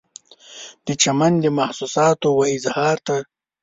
د چمن د محسوساتو و اظهار ته